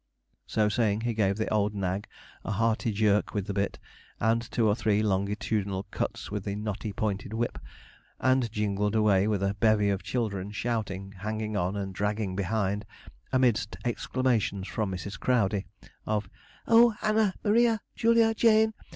So saying, he gave the old nag a hearty jerk with the bit, and two or three longitudinal cuts with the knotty pointed whip, and jingled away with a bevy of children shouting, hanging on, and dragging behind, amidst exclamations from Mrs. Crowdey, of 'O Anna Maria! Juliana Jane!